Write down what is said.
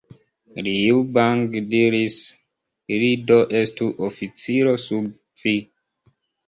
Liu Bang diris, Li do estu oficiro sub vi.